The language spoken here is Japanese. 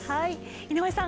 井上さん